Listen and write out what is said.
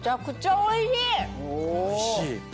おいしい？